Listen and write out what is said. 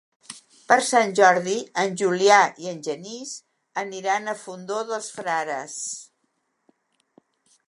Per Sant Jordi en Julià i en Genís aniran al Fondó dels Frares.